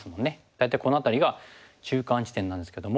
大体この辺りが中間地点なんですけども。